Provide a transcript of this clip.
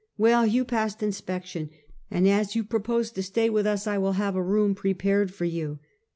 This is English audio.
" Well. You passed inspection ; and as you pro pose to stay with us, I will have a room prepared for you."